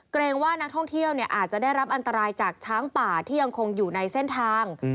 เกรงว่านักท่องเที่ยวอาจจะได้รับอันตรายจากช้างป่าที่ยังคงอยู่ในเส้นทาง